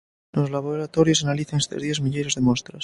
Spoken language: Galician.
Nos laboratorios analizan estes días milleiros de mostras.